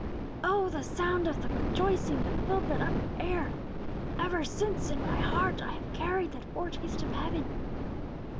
"Oh, the sound of the rejoicing that filled that upper air! Ever since in my heart have I carried that foretaste of heaven!"